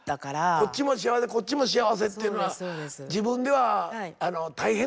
こっちも幸せこっちも幸せっていうのは自分では大変だと思ったんだ。